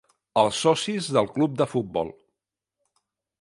Els socis del club de futbol.